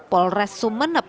polres sumeneb masih menang